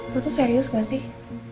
gue tuh serius gak sih